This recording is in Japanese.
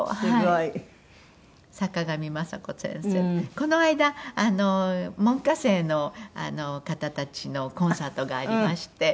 この間門下生の方たちのコンサートがありまして。